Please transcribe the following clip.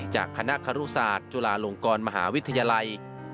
จากคณะครุศาสตร์จุฬาลงกรมหาวิทยาลัย